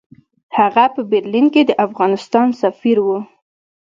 هغه په برلین کې د افغانستان سفیر وو.